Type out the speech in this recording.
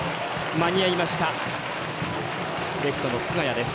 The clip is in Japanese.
間に合いましたレフトの菅谷です。